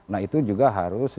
nah itu juga harus